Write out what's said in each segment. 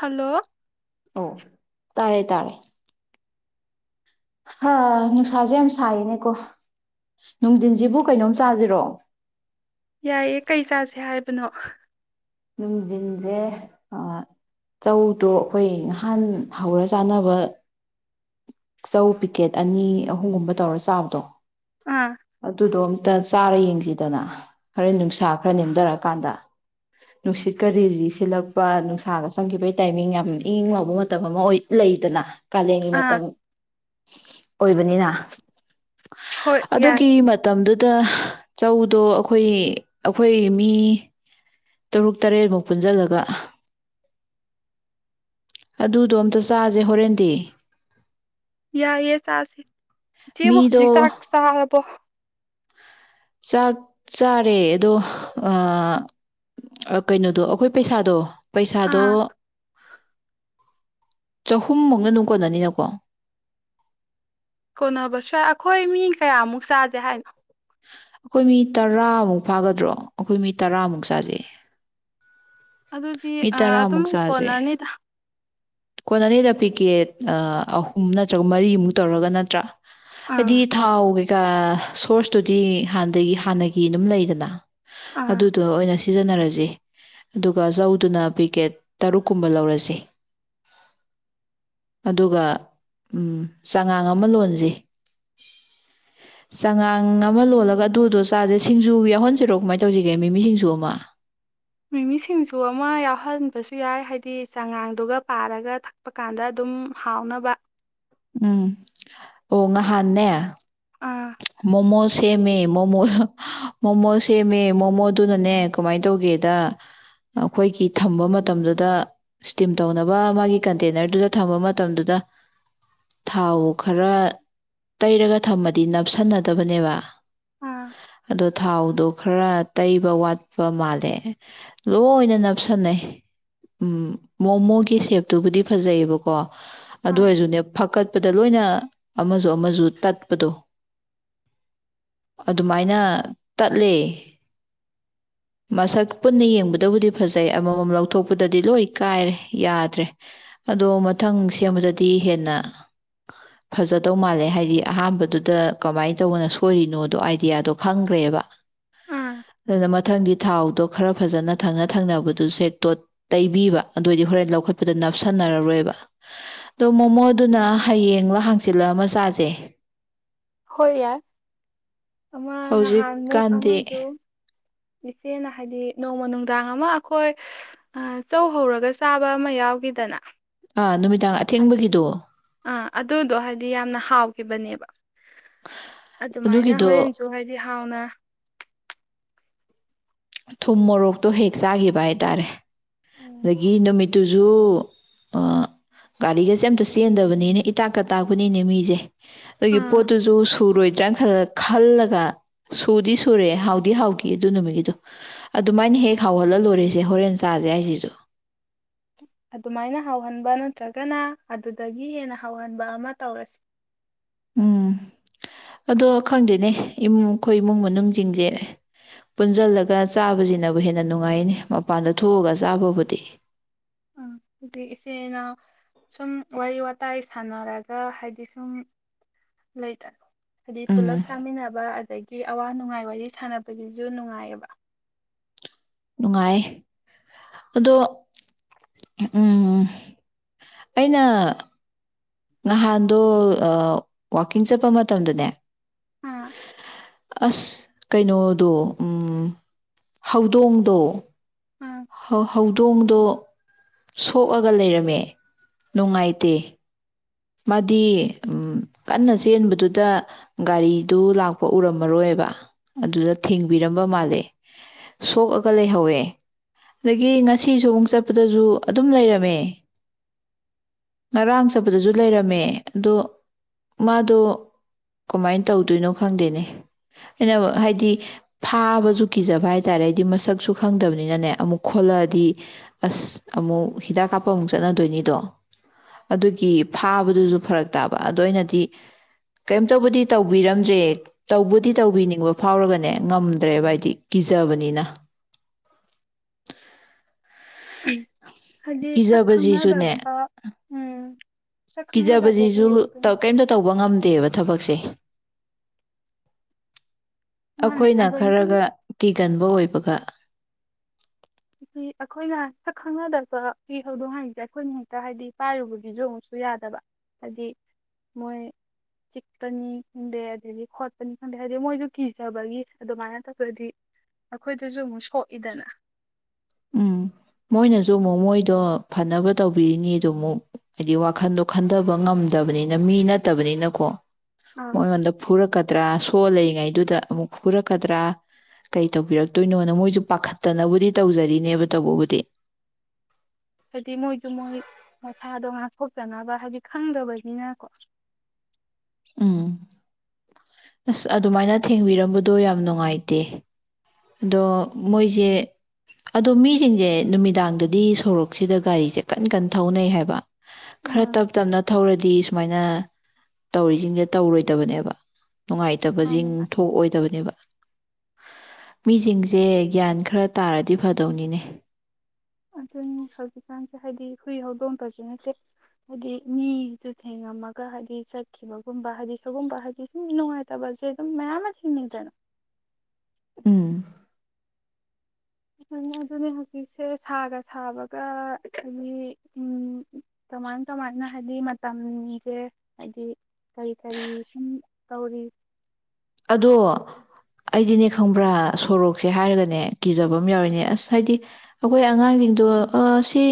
hello ꯑꯣ ꯇꯥꯔꯦ ꯇꯥꯔꯦ ꯍꯥ ꯅꯨꯡꯁꯥꯁꯦ ꯌꯥꯝ ꯁꯥꯏꯌꯦꯅꯦꯀꯣ ꯅꯨꯡꯊꯤꯟꯁꯤꯕꯨ ꯀꯩꯅꯣꯝ ꯆꯥꯁꯤꯔꯣ ꯌꯥꯏꯌꯦ ꯀꯩ [unintelligible] ꯅꯨꯡꯗꯤꯜꯁꯦ ꯑꯥ ꯆꯧꯗꯣ ꯑꯩꯈꯣꯏ ꯅꯍꯥꯟ ꯍꯧꯔ ꯆꯥꯅꯕ ꯆꯧ ꯄꯤꯀꯦꯠ ꯑꯅꯤ ꯑꯍꯨꯝꯒꯨꯝꯕ ꯇꯧꯔ ꯆꯥꯕꯗꯣ ꯑꯥ ꯑꯗꯨꯗꯣ ꯑꯝꯇ ꯆꯥꯔ ꯌꯦꯡꯁꯤꯗꯅ ꯈꯔ ꯅꯨꯡꯁꯥ ꯈꯔ ꯅꯦꯝꯊꯔꯀꯥꯟꯗ ꯅꯨꯡꯁꯤꯠꯀ ꯔꯤꯔꯤ ꯁꯤꯠꯂꯛꯄ ꯅꯨꯡꯁꯥꯒ ꯆꯪꯈꯤꯕꯒꯤ ꯇꯥꯏꯃꯤꯡ ꯌꯥꯝ ꯏꯪ ꯏꯪ ꯂꯥꯎꯕ ꯃꯇꯝ ꯑꯃ ꯑꯣꯏ ꯂꯩꯗꯅ ꯀꯥꯂꯦꯟꯒꯤ ꯑꯥ ꯑꯣꯏꯕꯅꯤꯅ ꯍꯣꯏ ꯌꯥꯏ ꯑꯗꯨꯒꯤ ꯃꯇꯝꯗꯨ ꯆꯧꯗꯣ ꯑꯩꯈꯣꯏ ꯑꯩꯈꯣꯏ ꯃꯤ ꯇꯔꯨꯛ ꯇꯔꯦꯠꯃꯨꯛ ꯄꯨꯟꯁꯤꯜꯂꯒ ꯑꯗꯨꯗꯣ ꯑꯝꯇ ꯆꯥꯁꯦ ꯍꯣꯔꯦꯟꯗꯤ ꯌꯥꯏꯌꯦ ꯆꯥꯁꯦ ꯏꯆꯦꯕꯨ [unintelligible] ꯃꯤꯗꯣ ꯍꯨꯖꯤꯛ ꯆꯥꯛ ꯆꯥꯔꯕꯣ ꯆꯥꯛ ꯆꯥꯔꯦ ꯑꯗꯣ ꯑ ꯀꯩꯅꯣꯗꯣ ꯑꯩꯈꯣꯏ ꯄꯩꯁꯥꯗꯣ ꯄꯩꯁꯥꯗꯣ ꯑꯥ ꯆꯍꯨꯝ ꯃꯨꯛꯅ ꯗꯨꯝ ꯀꯣꯟꯂꯅꯤꯅꯀꯣ ꯀꯣꯟꯅꯕꯁꯨ ꯌꯥꯏ ꯑꯩꯈꯣꯏ ꯃꯤ ꯀꯌꯥꯃꯨꯛ ꯆꯥꯥꯖꯦ ꯍꯥꯏꯅꯣ ꯑꯩꯈꯣꯏ ꯃꯤ ꯇꯔꯥꯃꯨꯛ ꯐꯥꯒꯗ꯭ꯔꯣ ꯑꯩꯈꯣꯏ ꯃꯤ ꯇꯔꯥꯃꯨꯛ ꯆꯥꯖꯦ ꯑꯗꯨꯗꯤ ꯑ ꯑꯗꯨꯝ ꯀꯣꯟꯅꯅꯤꯗ ꯀꯣꯟꯅꯤꯗ ꯄꯤꯛꯀꯦꯠ ꯑ ꯑꯍꯨꯝ ꯅꯠꯇ꯭ꯔꯒ ꯃꯔꯤꯃꯨꯛ ꯇꯧꯔꯒ ꯅꯠꯇ꯭ꯔꯥ ꯍꯥꯏꯗꯤ ꯑꯥ ꯊꯥꯎ ꯗ ꯑ ꯁꯣꯔ꯭ꯁꯇꯨꯗꯤ ꯍꯥꯟꯅꯗꯒꯤ ꯍꯥꯟꯅꯒꯤ ꯑꯗꯨꯝ ꯂꯩꯗꯅ ꯑꯥ ꯑꯗꯨꯗꯣ ꯑꯣꯏꯅ ꯁꯤ ꯁꯤꯖꯤꯟꯅꯔꯁꯦ ꯑꯗꯨ ꯑꯗꯨꯒ ꯆꯧꯗꯨꯅ ꯄꯦꯛꯀꯦꯠ ꯇꯔꯨꯛꯀꯨꯝꯕ ꯂꯧꯔꯁꯤ ꯑꯗꯨꯒ ꯎꯝ ꯆꯉꯥꯡ ꯑꯃ ꯂꯣꯟꯂꯖꯤ ꯆꯉꯥꯡ ꯑꯃ ꯂꯣꯜꯂꯒ ꯑꯗꯨꯗꯣ ꯆꯥꯥꯁꯦ ꯁꯤꯡꯖꯨ ꯌꯥꯎꯍꯟꯁꯤꯔꯣ ꯀꯃꯥꯏꯅ ꯇꯧꯁꯤꯒꯦ ꯃꯤꯃꯤ ꯁꯤꯡꯖꯨ ꯑꯃ ꯃꯤꯃꯤ ꯁꯤꯡꯖꯨ ꯑꯃ ꯌꯥꯎꯍꯟꯕꯁꯨ ꯌꯥꯏ ꯍꯥꯏꯗꯤ ꯆꯉꯥꯡꯗꯨꯒ ꯄꯥꯔꯒ ꯊꯛꯄ ꯀꯥꯟꯗ ꯑꯗꯨꯝ ꯍꯥꯎꯅꯕ ꯎꯝ ꯑꯣ ꯉꯍꯥꯟꯅꯦ ꯑꯥ ꯃꯣꯃꯣ ꯁꯦꯝꯃꯦ ꯃꯣꯃꯣ ꯍ ꯃꯣꯃꯣ ꯁꯦꯝꯃꯦ ꯃꯣꯃꯣꯗꯨꯅꯅꯦ ꯀꯃꯥꯏ ꯇꯧꯒꯦꯗ ꯑꯩꯈꯣꯏꯒꯤ ꯊꯝꯕ ꯃꯇꯝꯗꯨꯗ ꯁ꯭ꯇꯤꯝ ꯇꯧꯅꯕ ꯃꯥꯒꯤ ꯀꯟꯇꯦꯟꯅ꯭ꯔꯗꯨꯗ ꯊꯝꯕ ꯃꯇꯝꯗꯨꯗ ꯊꯥꯎ ꯈꯔ ꯇꯩꯔꯒ ꯊꯝꯕ ꯗꯤ ꯅꯞꯁꯟꯅꯗꯕꯅꯦꯕ ꯑꯥ ꯑꯗꯣ ꯊꯥꯎꯗꯣ ꯈꯔ ꯇꯩꯕ ꯋꯥꯠꯄ ꯃꯥꯜꯂꯦ ꯂꯣꯏꯅ ꯅꯞꯁꯟꯅꯩ ꯎꯝ ꯃꯣꯃꯣꯒꯤ ꯁꯦꯞꯇꯨꯕꯨꯗꯤ ꯐꯖꯩꯌꯦꯕꯀꯣ ꯑꯗꯨ ꯑꯥ ꯑꯣꯏꯔꯁꯨꯅꯦ ꯐꯛꯀꯠꯄꯗ ꯂꯣꯏꯅ ꯑꯃꯁꯨ ꯑꯃꯁꯨ ꯇꯠꯄꯗꯣ ꯑꯗꯨꯃꯥꯏꯅ ꯇꯠꯂꯦ ꯃꯁꯛ ꯄꯨꯟꯅ ꯌꯦꯡꯕꯗꯕꯨꯗꯤ ꯐꯖꯩ ꯑꯃꯃꯝ ꯂꯧꯊꯣꯛꯄꯗꯗꯤ ꯂꯣꯏ ꯀꯥꯏꯔꯦ ꯌꯥꯗ꯭ꯔꯦ ꯑꯗꯣ ꯃꯊꯪ ꯁꯦꯝꯕꯗꯗꯤ ꯍꯦꯟꯅ ꯐꯖꯗꯧ ꯃꯥꯜꯂꯦ ꯍꯥꯏꯗꯤ ꯑꯍꯥꯟꯕꯗꯨ ꯗ ꯀꯃꯥꯏꯅ ꯇꯧꯕꯅꯣ ꯁꯣꯏꯔꯤꯅꯣꯗꯣ ꯑꯥꯏꯗꯤꯌꯥꯗꯣ ꯈꯪꯒ꯭ꯔꯦꯕ ꯑꯥ ꯑꯗꯨꯅ ꯃꯊꯪꯗꯤ ꯊꯥꯎꯗꯣ ꯈꯔ ꯐꯖꯅ ꯊꯪꯅ ꯊꯪꯅꯕꯗꯨ ꯁꯦꯠ ꯇꯣꯠ ꯇꯩꯕꯤꯕ ꯑꯗꯨꯑꯣꯏꯗꯤ ꯍꯣꯔꯦꯟ ꯂꯧꯈꯠꯄꯗ ꯅꯞꯁꯟꯅꯔꯔꯣꯏꯕ ꯑꯗꯣ ꯃꯣꯃꯣꯗꯨꯅ ꯍꯌꯦꯡꯂ ꯍꯪꯆꯤꯠꯂꯃ ꯆꯥꯁꯦ ꯍꯣꯏ ꯌꯥꯏ ꯑꯃ ꯉꯍꯥꯟꯃꯨꯛ ꯍꯧꯖꯤꯛꯀꯥꯟꯗꯤ ꯑꯃꯁꯨ ꯏꯆꯦꯅ ꯍꯥꯏꯗꯤ ꯅꯣꯡꯃ ꯅꯨꯡꯗꯥꯡ ꯑꯃ ꯑꯩꯈꯣꯏ ꯆꯧ ꯍꯧꯔꯒ ꯆꯥꯕ ꯑꯃ ꯌꯥꯎꯈꯤꯗꯅ ꯑꯥ ꯅꯨꯃꯤꯗꯥꯡ ꯑꯊꯦꯡꯕꯒꯤꯗꯣ ꯑꯥ ꯑꯗꯨꯗꯣ ꯍꯥꯏꯗꯤ ꯌꯥꯝꯅ ꯍꯥꯎꯈꯤꯕꯅꯦꯕ ꯑꯗꯨꯃꯥꯏꯅ ꯑꯗꯨꯒꯤꯗꯣ ꯍꯣꯔꯦꯟꯁꯨ ꯍꯥꯏꯗꯤ ꯍꯥꯎꯅ ꯊꯨꯝ ꯃꯣꯔꯣꯛꯇꯣ ꯍꯦꯛ ꯆꯥꯒꯤꯕ ꯍꯥꯏꯇꯥꯔꯦ ꯎꯝ ꯑꯗꯒꯤ ꯅꯨꯃꯤꯠ ꯇꯨꯁꯨ ꯒꯥꯔꯤꯒꯁꯦ ꯑꯝꯇ ꯆꯦꯟꯗꯕꯅꯤꯅ ꯏꯇꯥꯛꯀ ꯇꯥꯛꯄꯅꯤꯅꯦ ꯃꯤꯁꯦ ꯑꯗꯨꯒꯤ ꯑꯥ ꯄꯣꯠꯇꯨꯁꯨ ꯁꯨꯔꯣꯏꯗ꯭ꯔꯅ ꯈꯜ ꯈꯜꯂꯒ ꯁꯨꯗꯤ ꯁꯨꯔꯦ ꯍꯥꯎꯗꯤ ꯍꯥꯎꯈꯤ ꯑꯗꯨ ꯅꯨꯃꯤꯠꯒꯤꯗꯣ ꯑꯗꯨꯃꯥꯏꯅ ꯍꯦꯛ ꯍꯥꯎꯍꯜꯂ ꯂꯣꯏꯔꯦꯁꯦ ꯍꯣꯔꯦꯟ ꯆꯥꯁꯦ ꯍꯥꯏꯁꯤꯁꯨ ꯑꯗꯨꯃꯥꯏꯅ ꯍꯥꯎꯍꯟꯕ ꯅꯠꯇ꯭ꯔꯒꯅ ꯑꯗꯨꯗꯒꯤ ꯍꯦꯟꯅ ꯍꯥꯎꯍꯟꯕ ꯑꯃ ꯇꯧꯔꯁꯤ ꯎꯝ ꯑꯗꯣ ꯈꯪꯗꯦꯅꯦ ꯏꯃꯨꯡ ꯑꯩꯈꯣꯏ ꯏꯃꯨꯡ ꯃꯅꯨꯡꯖꯤꯡꯖꯦ ꯄꯨꯟꯖꯜꯂꯒ ꯆꯥꯕꯁꯤꯅꯕꯨ ꯍꯦꯟꯅ ꯅꯨꯡꯉꯥꯏꯅꯦ ꯃꯄꯥꯟꯗ ꯊꯣꯛꯑꯒ ꯆꯥꯕꯕꯨꯗꯤ ꯎꯝ ꯑꯗꯨꯗꯤ ꯏꯆꯦꯅ ꯁꯨꯝ ꯋꯥꯔꯤ ꯋꯥꯇꯥꯏ ꯁꯥꯟꯅꯔꯒ ꯍꯥꯏꯗꯤ ꯁꯨꯝ ꯂꯩꯗꯅ ꯍꯥꯏꯗꯤ ꯄꯨꯂꯞ ꯎꯝ ꯆꯥꯡꯃꯤꯟꯅꯕ ꯑꯗꯒꯤ ꯑꯋꯥ ꯅꯨꯡꯉꯥꯏ ꯋꯥꯔꯤ ꯁꯥꯟꯅꯕꯒꯤꯁꯨ ꯅꯨꯡꯉꯥꯏꯌꯦꯕ ꯅꯨꯡꯉꯥꯏ ꯑꯗꯣ ꯎꯝ ꯑꯩꯅ ꯅꯍꯥꯟꯗꯣ ꯋꯥꯀꯤꯡ ꯆꯠꯄ ꯃꯇꯝꯗꯅꯦ ꯑꯥ ꯑꯁ ꯀꯩꯅꯣꯗꯣ ꯍꯧꯗꯣꯡꯗꯣ ꯑꯥ ꯍꯧ ꯍꯧꯗꯣꯡꯗꯣ ꯁꯣꯛꯑꯒ ꯂꯩꯔꯝꯃꯦ ꯅꯨꯡꯉꯥꯏꯇꯦ ꯃꯥꯗꯤ ꯀꯟꯅ ꯆꯦꯟꯕꯗꯨꯗ ꯒꯥꯔꯤꯗꯨ ꯂꯥꯛꯄ ꯎꯔꯝꯃꯔꯣꯏꯕ ꯑꯗꯨꯗ ꯊꯦꯡꯕꯤꯔꯝꯕ ꯃꯥꯜꯂꯦ ꯁꯣꯛꯑꯒ ꯂꯩꯍꯧꯋꯦ ꯑꯗꯒꯤ ꯉꯁꯤꯁꯨ ꯑꯃꯨꯛ ꯆꯠꯄꯗꯁꯨ ꯑꯗꯨꯝ ꯂꯩꯔꯝꯃꯦ ꯉꯔꯥꯡ ꯆꯠꯄꯗꯁꯨ ꯂꯩꯔꯝꯃꯦ ꯑꯗꯣ ꯃꯥꯗꯣ ꯀꯃꯥꯏꯅ ꯇꯧꯗꯣꯏꯅꯣ ꯈꯪꯗꯦꯅꯦ ꯑꯩꯅ ꯍꯥꯏꯗꯤ ꯐꯥꯕꯁꯨ ꯀꯤꯖꯕ ꯍꯥꯏ ꯇꯔꯦ ꯑꯩꯗꯤ ꯃꯁꯛꯁꯨ ꯈꯪꯗꯕꯅꯤꯅꯅꯦ ꯑꯃꯨꯛ ꯈꯣꯠꯂꯛꯑꯗꯤ ꯑꯁ ꯑꯃꯨꯛ ꯍꯤꯗꯥꯛ ꯀꯥꯞꯄ ꯑꯃꯨꯛ ꯆꯠꯅꯗꯣꯏꯅꯤꯗꯣ ꯑꯗꯨꯒꯤ ꯐꯥꯕꯗꯨꯁꯨ ꯐꯔꯛ ꯇꯥꯕ ꯑꯗꯨꯗꯣ ꯑꯣꯏꯅꯗꯤ ꯀꯩꯝꯇꯕꯨꯗꯤ ꯇꯧꯕꯤꯔꯝꯗ꯭ꯔꯦ ꯇꯧꯕꯗꯤ ꯇꯧꯕꯤꯅꯤꯡꯕ ꯐꯥꯎꯔꯒꯅꯦ ꯉꯝꯗ꯭ꯔꯦꯕ ꯍꯥꯏꯗꯤ ꯀꯤꯖꯕꯅꯤꯅ ꯎꯝ ꯍꯥꯏꯗꯤ ꯁꯛ ꯀꯤꯖꯕꯁꯤꯁꯨꯅꯦ ꯈꯪꯅꯗꯕ ꯎꯝ ꯁꯛ ꯈꯪꯅꯗꯕꯒꯤ ꯀꯣ ꯠꯇꯦꯕ ꯊꯕꯛꯁꯦ ꯃꯥꯅꯦ ꯑꯩꯈꯣꯏꯅ ꯑꯗꯒꯤ ꯈꯔꯒ ꯀꯤꯒꯅ ꯏ ꯍꯕ ꯈ ꯍꯥꯏꯗꯤ ꯑꯩꯈꯣꯏꯅ ꯁꯛ ꯈꯪꯅꯗꯕ ꯀꯤ ꯍꯧꯗꯣꯡ ꯍꯥꯏꯔꯤꯁꯦ ꯑꯩꯈꯣꯏꯅ ꯍꯦꯛꯇ ꯍꯥꯏꯗꯤ ꯄꯥꯏꯔꯨꯕꯒꯤꯁꯨ ꯑꯃꯨꯛꯁꯨ ꯌꯥꯗꯕ ꯍꯥꯏꯗꯤ ꯃꯣꯏ ꯆꯤꯛꯄꯅꯤ ꯈꯪꯗꯦ ꯑꯗꯒꯤ ꯈꯣꯠꯄꯅꯤ ꯈꯪꯗꯦ ꯍꯥꯏꯗꯤ ꯃꯣꯏꯁꯨ ꯀꯤꯖꯕꯒꯤ ꯑꯗꯨꯃꯥꯏꯅ ꯇꯧꯗꯗꯤ ꯑꯩꯈꯣꯏꯗꯁꯨ ꯑꯃꯨꯛ ꯁꯣꯛꯏꯗꯅ ꯎꯝ ꯃꯣꯏꯅꯁꯨ ꯑꯃꯨꯛ ꯃꯣꯏꯗꯣ ꯐꯅꯕ ꯇꯧꯕꯤꯔꯤꯅꯤꯗꯣ ꯑꯃꯨꯛ ꯍꯥꯏꯗꯤ ꯋꯥꯈꯟꯗꯣ ꯈꯟꯊꯕ ꯉꯝꯗꯕꯅꯤꯅ ꯃꯤ ꯅꯠꯇꯕꯅꯤꯅꯀꯣ ꯑꯪ ꯑꯣꯗ ꯄ ꯄꯨꯔꯛꯇ ꯊꯣꯜꯂꯤꯔꯤꯉꯩꯗꯨꯗ ꯑꯃꯨꯛ ꯐꯨꯔꯛꯀꯗ꯭ꯔꯥ ꯀꯩ ꯇꯧꯕꯤꯔꯛꯇꯣꯏꯅꯣꯅ ꯃꯣꯏꯁꯨ ꯄꯥꯈꯠꯇꯅꯕꯨꯗꯤ ꯇꯧꯖꯔꯤ ꯅꯕ ꯇꯧꯕꯗꯤ ꯍꯥꯏꯗꯤ ꯃꯣꯏꯁꯨ ꯃꯣꯏ ꯃꯁꯥꯗꯣ ꯉꯥꯛꯊꯣꯛꯆꯅꯕ ꯍꯥꯏꯗꯤ ꯈꯪꯗꯕꯅꯤꯅꯀꯣ ꯎꯝ ꯑꯁ ꯑꯗꯨꯃꯥꯏꯅ ꯊꯦꯡꯕꯤꯔꯝꯕꯗꯣ ꯌꯥꯝ ꯅꯨꯡꯉꯥꯏꯇꯦ ꯑꯗꯣ ꯃꯣꯏꯁꯦ ꯑꯗꯣ ꯃꯤꯁꯤꯡꯁꯦ ꯅꯨꯃꯤꯗꯥꯡꯗꯗꯤ ꯁꯣꯔꯣꯛꯁꯤꯗ ꯒꯥꯔꯤꯁꯦ ꯀꯟ ꯀꯟꯅ ꯊꯧꯅꯩ ꯍꯥꯏꯕ ꯈꯔ ꯎꯝ ꯇꯞ ꯇꯞꯅ ꯊꯧꯔꯗꯤ ꯗꯤ ꯁꯨꯃꯥꯏꯅ ꯇꯧꯔꯤꯁꯤꯡꯁꯦ ꯇꯧꯔꯣꯏꯗꯕꯅꯦꯕ ꯃꯥꯅꯤ ꯅꯨꯡꯉꯥꯏꯇꯕꯁꯤꯡ ꯃꯥꯅꯤ ꯊꯣꯛꯑꯣꯏꯗꯕꯅꯦꯕ ꯃꯤꯁꯤꯡꯁꯦ ꯒ꯭ꯌꯥꯟ ꯈꯔ ꯇꯥꯔꯗꯤ ꯐꯗꯧꯅꯤꯅꯦ ꯑꯗꯨ ꯍꯧꯖꯤꯛꯀꯥꯟꯁꯦ ꯍꯥꯏꯗꯤ ꯍꯨꯏ ꯍꯧꯗꯣꯡꯄꯁꯤꯅꯁꯦ ꯍꯥꯏꯗꯤ ꯃꯤꯁꯨ ꯊꯦꯡꯉꯝꯃꯒ ꯍꯥꯏꯗꯤ ꯆꯠꯈꯤꯕꯒꯨꯝꯕ ꯍꯥꯏꯕꯗꯤ ꯁꯒꯨꯝꯕ ꯍꯥꯏꯗꯤ ꯁꯨꯝ ꯅꯨꯡꯉꯥꯏꯇꯕꯁꯦ ꯑꯗꯨꯝ ꯃꯌꯥꯝ ꯑꯃ ꯊꯤꯡꯅꯤꯡꯗ꯭ꯔꯦꯅ ꯎꯝ ꯑꯗꯨꯅꯦ ꯍꯧꯖꯤꯛꯁꯦ ꯁꯥꯒ ꯁꯥꯕꯒ ꯍꯥꯏꯗꯤ ꯀꯃꯥꯏꯅ ꯀꯃꯥꯏꯅ ꯍꯥꯏꯗꯤ ꯃꯇꯝꯁꯦ ꯍꯥꯏꯗꯤ ꯀꯔꯤ ꯀꯔꯤ ꯁꯨꯝ ꯇꯧꯔꯤ ꯑꯗꯣ ꯑꯩꯗꯤꯅꯦ ꯈꯪꯕ꯭ꯔꯥ ꯁꯣꯔꯣꯛꯁꯦ ꯍꯥꯏꯔꯒꯅꯦ ꯀꯤꯖꯕ ꯑꯃ ꯌꯥꯎꯔꯤꯅꯦ ꯑꯁ ꯍꯥꯏꯗꯤ ꯑꯩꯈꯣꯏ ꯑꯉꯥꯡꯁꯤꯡꯗꯣ ꯁꯤ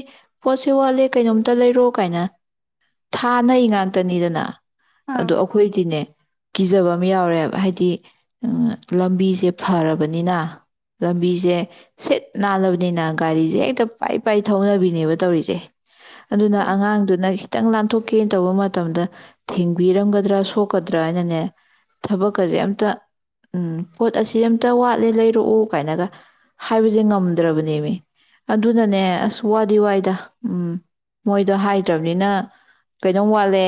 ꯄꯣꯠꯁꯦ ꯋꯥꯠꯂꯦ ꯀꯩꯅꯣꯝꯇ ꯂꯩꯔꯣ ꯀꯥꯏꯅ ꯊꯥꯅꯩ ꯉꯥꯛꯇꯅꯤꯗꯅ ꯑ ꯑꯥ ꯑꯩꯈꯣꯏꯗꯤꯅꯦ ꯀꯤꯖꯕ ꯑꯃ ꯌꯥꯎꯔꯦꯕ ꯍꯥꯏꯗꯤ ꯂꯝꯕꯤꯁꯦ ꯐꯔꯕꯅꯤꯅ ꯂꯝꯕꯤꯁꯦ ꯁꯤꯠ ꯅꯥꯜꯂꯕꯅꯤꯅ ꯒꯥꯔꯤꯁꯦ ꯍꯦꯛꯇ ꯄꯥꯏ ꯄꯥꯏ ꯊꯧꯅꯕꯤꯅꯦꯕ ꯇꯧꯔꯤꯁꯦ ꯑꯗꯨꯅ ꯍꯣꯏ ꯑꯉꯥꯡꯗꯨꯅ ꯈꯤꯇꯪ ꯂꯥꯟ ꯇꯣꯛꯀꯦꯅ ꯇꯧꯕ ꯃꯇꯝꯗ ꯊꯤꯡꯕꯤꯔꯝꯒꯗ꯭ꯔꯥ ꯁꯣꯛꯀꯗ꯭ꯔꯥ ꯍꯥꯏꯅꯅꯦ ꯊꯕꯛꯀꯁꯦ ꯑꯝꯇ ꯎꯝ ꯄꯣꯠ ꯑꯁꯤ ꯑꯝꯇ ꯋꯥꯠꯂꯦ ꯂꯩꯔꯛꯎ ꯀꯥꯏꯅꯒ ꯍꯥꯏꯕꯁꯦ ꯉꯝꯗ꯭ꯔꯕꯅꯦꯃꯤ ꯑꯗꯨꯅꯅꯦ ꯑꯁ ꯋꯥꯗꯤ ꯋꯥꯏꯗ ꯎꯝ ꯃꯣꯏꯗꯣ ꯍꯥꯏꯗ꯭ꯔꯕꯅꯤꯅ ꯀꯩꯩꯅꯣꯝ ꯋꯥꯠꯂꯦ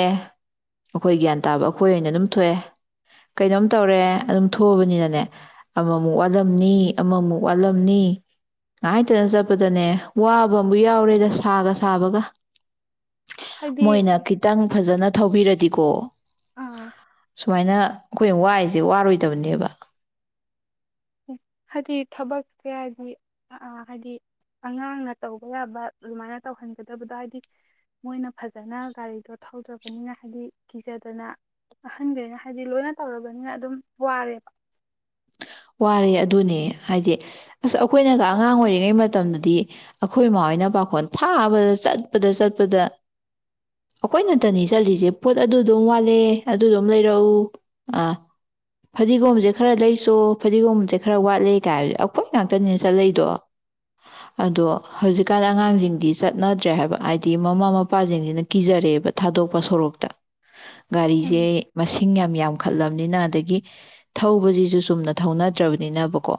ꯑꯩꯈꯣꯏ ꯒ꯭ꯌꯥꯟ ꯇꯥꯕ ꯑꯩꯈꯣꯏ ꯑꯣꯏꯅ ꯑꯗꯨꯝ ꯊꯣꯛꯑꯦ ꯀꯩꯅꯣꯝ ꯇꯧꯔꯦ ꯑꯗꯨꯝ ꯊꯣꯛꯑꯕꯅꯤꯅꯅꯦ ꯑꯃꯃꯨꯛ ꯋꯥꯠꯂꯝꯅꯤ ꯑꯃꯃꯨꯛ ꯋꯥꯠꯂꯝꯅꯤ ꯉꯍꯥꯏꯇꯅ ꯆꯠꯄꯗꯅꯦ ꯋꯥꯕ ꯑꯃ ꯌꯥꯎꯔꯦꯗ ꯁꯥꯒ ꯁꯥꯕꯒ ꯍꯥꯏꯗꯤ ꯃꯣꯏꯅ ꯈꯤꯇꯪ ꯐꯖꯅ ꯊꯧꯕꯤꯔꯗꯤꯀꯣ ꯑꯥ [inaudible] ꯁꯨꯃꯥꯏꯅ ꯑꯩꯈꯣꯏ ꯋꯥꯏꯁꯦ ꯋꯥꯔꯣꯏꯗꯕꯅꯦꯕ ꯍꯥꯏꯗꯤ ꯊꯕꯛꯁꯦ ꯍꯥꯏꯗꯤ ꯍꯥꯏꯗꯤ ꯑꯉꯥꯡꯅ ꯇꯧꯕ ꯌꯥꯕ ꯑꯗꯨꯃꯥꯏꯅ ꯇꯧꯍꯟꯒꯗꯕꯗꯣ ꯍꯥꯏꯗꯤ ꯃꯣꯏꯅ ꯐꯖꯅ ꯒꯥꯔꯤꯗꯣ ꯊꯧꯗ꯭ꯔꯕꯅꯤꯅ ꯍꯥꯏꯗꯤ ꯀꯤꯖꯗꯅ ꯑꯍꯟꯈꯅ ꯍꯥꯏꯕꯗꯤ ꯂꯣꯏꯅ ꯇꯧꯔꯕꯅꯤꯅ ꯑꯗꯨꯝ ꯋꯥꯔꯦꯕ ꯋꯥꯔꯦ ꯑꯗꯨꯅꯦ ꯍꯥꯏꯗꯤ ꯑꯁ ꯑꯩꯈꯣꯏꯅꯒ ꯑꯉꯥꯡ ꯑꯣꯏꯔꯤꯉꯩ ꯃꯇꯝꯗꯗꯤ ꯑꯩꯈꯣꯏ ꯏꯃꯥ ꯍꯣꯏꯅ ꯄꯥꯈꯣꯜ ꯐꯥꯕꯗ ꯆꯠꯄꯗ ꯆꯠꯄꯗ ꯑꯩꯈꯣꯏꯅꯇꯅꯤ ꯆꯠꯂꯤꯁꯦ ꯄꯣꯠ ꯑꯗꯨ ꯑꯗꯨꯝ ꯋꯥꯠꯂꯦ ꯑꯗꯨ ꯑꯗꯨꯝ ꯂꯩꯔꯛꯎ ꯑꯥ ꯐꯗꯤꯒꯣꯝꯁꯦ ꯈꯔ ꯂꯩꯁꯨ ꯐꯗꯤꯒꯣꯝꯕꯁꯦ ꯈꯔ ꯋꯥꯠꯂꯦ ꯀꯥꯏꯕꯁ ꯑꯩꯈꯣꯏ ꯉꯥꯛꯇꯅꯤꯅ ꯆꯠꯂꯗꯣ ꯑꯗꯣ ꯍꯧꯖꯤꯛꯀꯥꯟ ꯑꯉꯥꯡꯁꯤꯡꯗꯤ ꯆꯠꯅꯗ꯭ꯔꯦ ꯍꯥꯏꯕ ꯍꯥꯏꯗꯤ ꯃꯃꯥ ꯃꯄꯥꯁꯤꯡꯁꯤꯅ ꯀꯤꯖꯔꯛꯑꯦꯕ ꯊꯥꯗꯣꯛꯄ ꯁꯣꯔꯣꯛꯇ ꯎꯝ ꯒꯥꯔꯤꯁꯦ ꯃꯁꯤꯡ ꯌꯥꯝ ꯌꯥꯝ ꯈꯠꯂꯕꯅꯤꯅ ꯑꯗꯒꯤ ꯊꯧꯕꯁꯤꯁꯨ ꯁꯨꯝꯅ ꯊꯧꯅꯗ꯭ꯔꯕꯅꯤꯅꯕꯀꯣ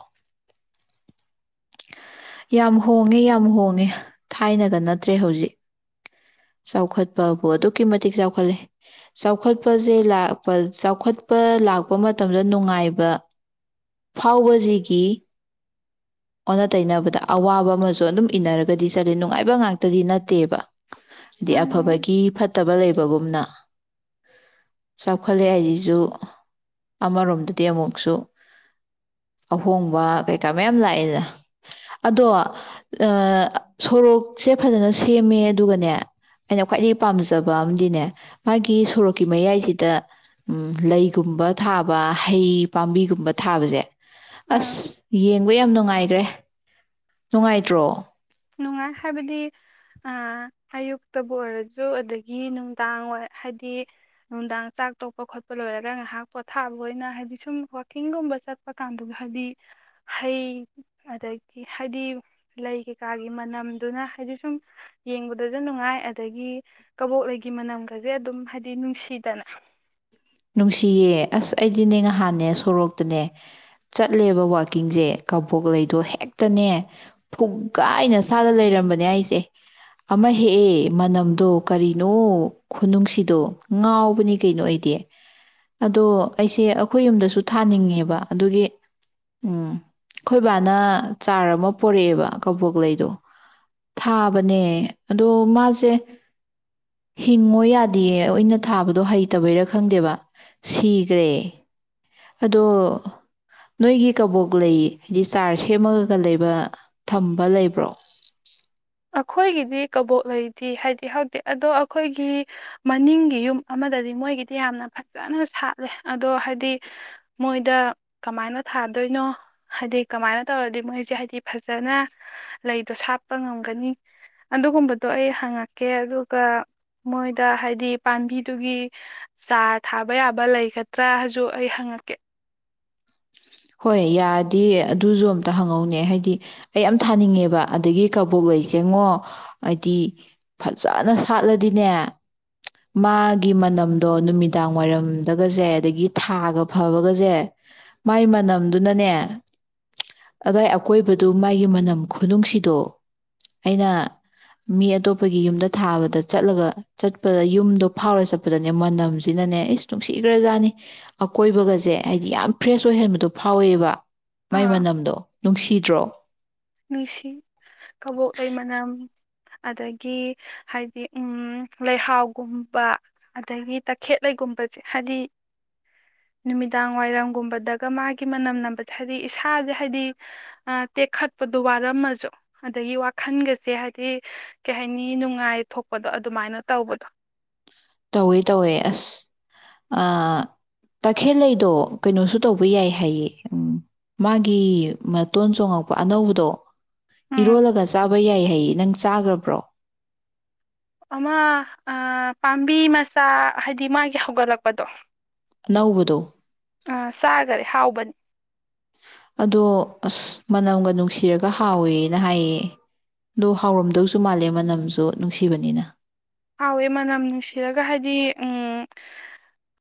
ꯌꯥꯝ ꯍꯣꯡꯉꯦ ꯌꯥꯝ ꯍꯣꯡꯉꯦ ꯊꯥꯏꯅꯒ ꯅꯠꯇ꯭ꯔꯦ ꯍꯧꯖꯤꯛ ꯆꯥꯎꯈꯠꯄꯕꯨ ꯑꯗꯨꯛꯀꯤ ꯃꯇꯤꯛ ꯆꯥꯎꯈꯠꯂꯦ ꯆꯥꯎꯈꯠꯄꯁꯦ ꯂꯥꯛꯄ ꯆꯥꯎꯈꯠꯄ ꯂꯥꯛꯄ ꯃꯇꯝꯗ ꯅꯨꯡꯉꯥꯏꯕ ꯐꯥꯎꯕꯁꯤꯒꯤ ꯑꯣꯟꯅ ꯇꯩꯅꯕꯗ ꯑꯋꯥꯕ ꯑꯃꯁꯨ ꯑꯗꯨꯝ ꯏꯟꯅꯔꯒꯗꯤ ꯆꯠꯂ ꯅꯨꯡꯉꯥꯏꯕ ꯉꯥꯛꯇꯗꯤ ꯅꯠꯇꯦꯕ ꯍꯥꯏꯗꯤ ꯃꯥꯅꯦ ꯑꯐꯕꯒꯤ ꯐꯠꯇꯕ ꯂꯩꯕ ꯒꯨꯝꯅ ꯆꯥꯎꯈꯠꯂꯦ ꯍꯥꯏꯁꯤꯁꯨ ꯑꯃꯔꯣꯝꯗꯗꯤ ꯑꯃꯨꯛꯁꯨ ꯑꯍꯣꯡꯕ ꯀꯩꯀꯥ ꯃꯌꯥꯝ ꯂꯥꯛꯑꯦꯅ ꯑꯗꯣ ꯁꯣꯔꯣꯛꯁꯦ ꯐꯖꯅ ꯁꯦꯝꯃꯦ ꯑꯗꯨꯒꯅꯦ ꯑꯩꯅ ꯈ꯭ꯋꯥꯏꯗꯒꯤꯩ ꯄꯥꯝꯖꯕ ꯑꯃꯗꯤꯅꯦ ꯃꯥꯒꯤ ꯁꯣꯔꯣꯛꯀꯤ ꯃꯌꯥꯏꯁꯤꯗ ꯂꯩꯒꯨꯝꯕ ꯊꯥꯕ ꯍꯩ ꯄꯥꯝꯕꯤꯒꯨꯝꯕ ꯊꯥꯕꯁꯦ ꯑꯥ ꯑꯁ ꯌꯦꯡꯕ ꯌꯥꯝ ꯅꯨꯡꯉꯥꯏꯈ꯭ꯔꯦ ꯅꯨꯡꯉꯥꯏꯇ꯭ꯔꯣ ꯅꯨꯡꯉꯥꯏ ꯍꯥꯏꯕꯗꯤ ꯑꯌꯨꯛꯇꯕꯨ ꯑꯣꯏꯔꯁꯨ ꯑꯗꯒꯤ ꯅꯨꯡꯗꯥꯡ ꯋꯥ ꯍꯥꯏꯗꯤ ꯅꯨꯡꯗꯥꯡ ꯆꯥꯛ ꯇꯣꯛꯄ ꯈꯣꯠꯄ ꯂꯣꯏꯔꯒ ꯉꯥꯏꯍꯥꯛ ꯄꯣꯊꯥꯕ ꯑꯣꯏꯅ ꯍꯥꯏꯗꯤ ꯁꯨꯝ ꯋꯥꯛꯀꯤꯡꯒꯨꯝꯕ ꯆꯠꯄ ꯀꯥꯟꯗꯨꯗ ꯍꯥꯏꯗꯤ ꯍꯩ ꯑꯗꯒꯤ ꯍꯥꯏꯗꯤ ꯂꯩ ꯆꯥꯒꯤ ꯃꯅꯝꯗꯨꯅ ꯍꯥꯏꯗꯤ ꯁꯨꯝ ꯌꯦꯡꯕꯗꯁꯨ ꯅꯨꯡꯉꯥꯏ ꯑꯗꯒꯤ ꯀꯕꯣꯛꯂꯩꯒꯤ ꯃꯅꯝꯒꯁꯦ ꯑꯗꯨꯝ ꯍꯥꯏꯗꯤ ꯅꯨꯡꯁꯤꯗꯅ ꯅꯨꯡꯁꯤꯌꯦ ꯑꯁ ꯑꯩꯗꯤꯅꯦ ꯅꯍꯥꯟꯅꯦ ꯁꯣꯔꯣꯛꯇꯅꯦ ꯆꯠꯂꯦꯕ ꯋꯥꯛꯀꯤꯡꯁꯦ ꯀꯕꯣꯛ ꯂꯩꯗꯣ ꯍꯦꯛꯇꯅꯦ ꯐꯨꯒꯥꯏꯅ ꯁꯥꯥꯅ ꯂꯩꯔꯝꯕꯅꯦ ꯑꯩꯁꯦ ꯑꯃ ꯍꯦꯛꯑꯦ ꯃꯅꯝꯗꯣ ꯀꯔꯤꯅꯣ ꯈꯨꯅꯨꯡꯁꯤꯗꯣ ꯉꯥꯎꯕꯅꯤ ꯀꯩꯅꯣ ꯑꯩꯗꯤ ꯑꯗꯣ ꯑꯩꯁꯦ ꯑꯩꯈꯣꯏ ꯌꯨꯝꯗꯁꯨ ꯊꯥꯅꯤꯡꯉꯦꯕ ꯑꯗꯨꯒꯤ ꯎꯝ ꯑꯩꯣꯏꯕꯥꯅ ꯆꯥꯔ ꯑꯃ ꯄꯣꯔꯛꯑꯦꯕ ꯀꯣꯛꯂꯗꯣ ꯊꯥꯕꯅꯦ ꯑꯗꯣ ꯃꯥꯁꯦ ꯍꯤꯡꯉꯣ ꯌꯥꯗꯦ ꯑꯣꯏꯅ ꯊꯥꯕꯗꯣ ꯍꯩꯇꯕꯩꯔ ꯈꯪꯗꯦꯕ ꯁꯤꯈ꯭ꯔꯦ ꯑꯗꯣ ꯅꯣꯏꯒꯤ ꯀꯕꯣꯛ ꯂꯩ ꯍꯥꯏꯗꯤ ꯆꯥꯔ ꯁꯦꯝꯃꯒꯒ ꯂꯩꯕ ꯊꯝꯕ ꯂꯩꯕ꯭ꯔꯣ ꯑꯩꯈꯣꯏꯒꯤꯗꯤ ꯀꯕꯣꯛ ꯂꯩꯗꯤ ꯍꯥꯏꯗꯤ ꯍꯧꯗꯤꯤ ꯑꯗꯣ ꯑꯩꯈꯣꯏꯒꯤ ꯃꯅꯤꯡꯒꯤ ꯌꯨꯝ ꯑꯃꯗꯗꯤ ꯃꯣꯏꯒꯤꯗꯤ ꯌꯥꯝꯅ ꯐꯖꯅ ꯁꯥꯠꯂꯦ ꯑꯗꯣ ꯍꯥꯏꯗꯤ ꯃꯣꯏꯗ ꯀꯃꯥꯏꯅ ꯊꯥꯗꯣꯏꯅꯣ ꯍꯥꯏꯗꯤ ꯀꯃꯥꯏꯅ ꯇꯧꯔꯗꯤ ꯃꯣꯏꯁꯦ ꯍꯥꯏꯗꯤ ꯐꯖꯅ ꯂꯩꯗꯣ ꯁꯥꯠꯄ ꯉꯝ ꯍꯪꯒꯅꯤ ꯑꯗꯨꯒꯨꯝꯕꯗꯣ ꯑꯩ ꯍꯪꯉꯛꯀꯦ ꯑꯗꯨꯒ ꯃꯣꯏꯗ ꯍꯥꯏꯗꯤ ꯄꯥꯝꯕꯤꯗꯨꯒꯤ ꯆꯥꯔ ꯊꯥꯕ ꯌꯥꯕ ꯂꯩꯒꯗ꯭ꯔꯥ ꯍꯥꯏꯁꯨ ꯑꯩ ꯍꯪꯉꯛꯀꯦ ꯍꯣꯏ ꯌꯥꯔꯗꯤ ꯑꯗꯨꯁꯨ ꯑꯝꯇ ꯍꯪꯍꯧꯅꯦ ꯍꯥꯏꯗꯤ ꯑꯩ ꯌꯥꯝ ꯊꯥꯅꯤꯡꯉꯦꯕ ꯑꯗꯒꯤ ꯀꯕꯣꯛ ꯂꯩ ꯆꯦꯉꯣ ꯍꯥꯏꯗꯤ ꯐꯖꯅ ꯁꯥꯠꯂꯗꯤꯅꯦ ꯃꯥꯒꯤ ꯃꯅꯝꯗꯣ ꯅꯨꯃꯤꯗꯥꯡ ꯋꯥꯏꯔꯝꯗꯒꯁꯦ ꯑꯗꯒꯤ ꯊꯥꯒ ꯐꯕꯒꯁꯦ ꯃꯥꯏ ꯃꯅꯝꯗꯨꯅꯅꯦ ꯑꯗꯋꯥꯏ ꯑꯀꯣꯏꯕꯗꯨ ꯃꯥꯒꯤ ꯃꯅꯝ ꯈꯨꯅꯨꯡꯁꯤꯗꯣ ꯑꯩꯅ ꯃꯤ ꯑꯇꯣꯞꯄꯒꯤ ꯌꯨꯝꯗ ꯊꯥꯕꯗ ꯆꯠꯂꯒ ꯆꯠꯄꯗ ꯌꯨꯝꯗꯣ ꯐꯥꯎꯔ ꯆꯠꯄꯗꯅꯦ ꯃꯅꯝꯁꯤꯅꯅꯦ ꯏꯁꯁ ꯅꯨꯡꯁꯤꯈ꯭ꯔꯖꯥꯠꯅꯤ ꯑꯀꯣꯏꯕꯒꯁꯦ ꯍꯥꯏꯗꯤ ꯌꯥꯝ ꯐ꯭ꯔꯦꯁ ꯑꯣꯏꯍꯟꯕꯗꯣ ꯐꯥꯎꯋꯦꯕ ꯃꯥꯏ ꯑꯥ ꯃꯅꯝꯗꯣ ꯅꯨꯡꯁꯤꯗ꯭ꯔꯣ ꯅꯨꯡꯁꯤ ꯀꯕꯣꯛꯂꯩ ꯃꯅꯝ ꯑꯗꯒꯤ ꯍꯥꯏꯗꯤ ꯂꯩꯍꯥꯎꯒꯨꯝꯕ ꯑꯗꯒꯤ ꯇꯈꯦꯠꯂꯩꯒꯨꯝꯕꯁꯦ ꯍꯥꯏꯗꯤ ꯅꯨꯃꯤꯗꯥꯡ ꯋꯥꯏꯔꯝꯒꯨꯝꯕꯗꯒ ꯃꯥꯒꯤ ꯃꯅꯝ ꯅꯝꯕꯁꯦ ꯍꯥꯏꯕꯗꯤ ꯏꯁꯥꯁꯦ ꯍꯥꯏꯗꯤ ꯇꯦꯛꯈꯠ ꯄꯗꯨ ꯋꯥꯔꯝꯃꯁꯨ ꯑꯗꯒꯤ ꯋꯥꯈꯟꯒꯁꯦ ꯍꯥꯏꯗꯤ ꯀꯩ ꯍꯥꯏꯅꯤ ꯅꯨꯡꯉꯥꯏ ꯊꯣꯛꯄꯗꯣ ꯑꯗꯨꯃꯥꯏꯅ ꯇꯧꯕꯗꯣ ꯇꯧꯋꯦ ꯇꯧꯋꯦ ꯑꯁ ꯇꯈꯦꯜꯂꯩꯗꯣ ꯀꯩꯅꯣꯁꯨ ꯇꯧꯕ ꯌꯥꯏ ꯍꯥꯏꯌꯦ ꯎꯝ ꯃꯥꯒꯤ ꯃꯇꯣꯟ ꯆꯣꯉꯛꯄ ꯑꯅꯧꯕꯗꯣ ꯎꯝ ꯏꯔꯣꯜꯂꯒ ꯆꯥꯕ ꯌꯥꯏ ꯍꯥꯏꯌꯦ ꯅꯪ ꯆꯥꯈ꯭ꯔꯕ꯭ꯔꯣ ꯑꯃ ꯄꯥꯝꯕꯤ ꯃꯆꯥ ꯍꯥꯏꯗꯤ ꯃꯥꯒꯤ ꯍꯧꯒꯠꯂꯛꯄꯗꯣ ꯑꯅꯧꯕꯗꯣ ꯑꯥ ꯆꯥꯈꯔꯦ ꯍꯥꯎꯕꯅꯤ ꯑꯗꯣ ꯑꯁ ꯃꯅꯝꯒ ꯅꯨꯡꯁꯤꯔꯒ ꯍꯥꯎꯋꯦꯅ ꯍꯥꯏꯌꯦ ꯑꯗꯣ ꯍꯥꯎꯔꯝꯗꯧꯁꯨ ꯃꯥꯜꯂꯦ ꯃꯅꯝꯁꯨ ꯅꯨꯡꯁꯤꯕꯅꯤꯅ ꯍꯥꯎꯋꯦ ꯃꯅꯝ ꯅꯨꯡꯁꯤꯔꯒ ꯍꯥꯏꯗꯤ ꯎꯝ